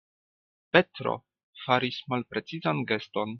Petro faris malprecizan geston.